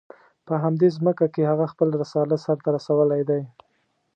په همدې ځمکه کې هغه خپل رسالت سر ته رسولی دی.